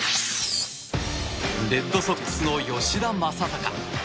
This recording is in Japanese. レッドソックスの吉田正尚。